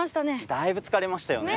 だいぶ疲れましたよね。